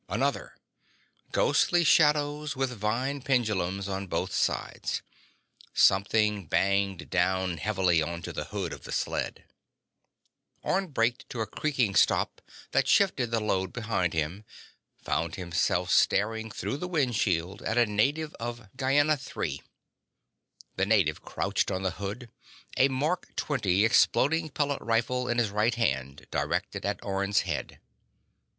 Another. Ghostly shadows with vine pendulums on both sides. Something banged down heavily onto the hood of the sled. Orne braked to a creaking stop that shifted the load behind him, found himself staring through the windshield at a native of Gienah III. The native crouched on the hood, a Mark XX exploding pellet rifle in his right hand directed at Orne's head.